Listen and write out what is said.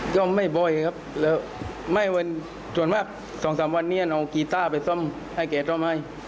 ก็ไม่บ่อยครับส่วนมาก๒๓วันเนี่ยเอากีต้าไปซ่อมให้แกซ่อมให้